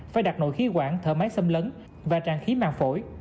phải đặt nội khí quản thở máy xâm lấn và trang khí mạng phổi